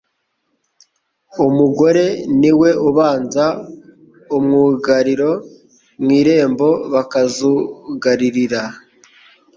umugore niwe ubanza umwugariro mu irembo, bakazugaririra,